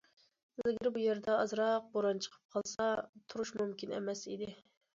ئىلگىرى بۇ يەردە ئازراق بوران چىقىپ قالسا، تۇرۇش مۇمكىن ئەمەس ئىدى.